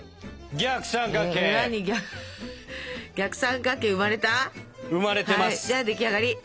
じゃあ出来上がり！